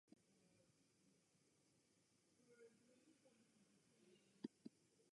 His best-known work is his dictionary about the Duala language.